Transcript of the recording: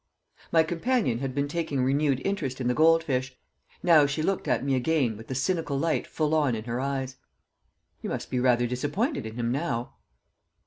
My companion had been taking renewed interest in the goldfish; now she looked at me again with the cynical light full on in her eyes. "You must be rather disappointed in him now!"